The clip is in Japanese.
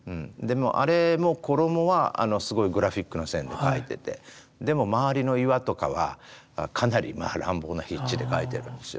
あれも衣はすごいグラフィックな線で描いててでも周りの岩とかはかなりまあ乱暴な筆致で描いてるんですよね。